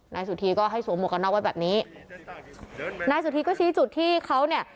นายสุธีก็ให้สวมหวกกันน็อกไว้แบบนี้นายสุธีก็ชี้จุดที่เขาเนี่ย